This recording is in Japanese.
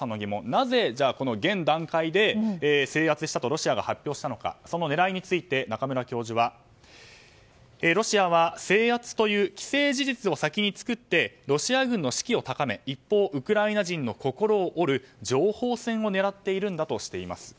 なぜ現段階で制圧したとロシアが発表したのかその狙いについて中村教授はロシアは制圧という既成事実を先に作ってロシア軍の士気を高め一方、ウクライナ人の心を折る情報戦を狙っているんだとしています。